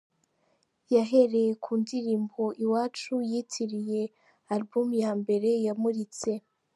Yahereye ku ndirimbo 'Iwacu' yitiriye Album ya mbere yamuritse.